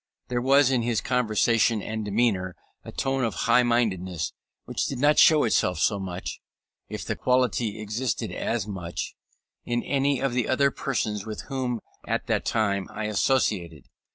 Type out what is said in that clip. There was in his conversation and demeanour a tone of high mindedness which did not show itself so much, if the quality existed as much, in any of the other persons with whom at that time I associated.